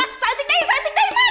ah tak saya tidak mau saya tidak mau